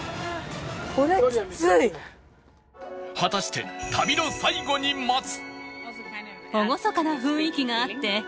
果たして旅の最後に待つ